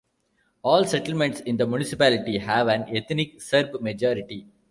All settlements in the municipality have an ethnic Serb majority.